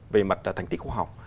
về mặt thành tích học học